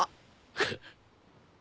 フッ。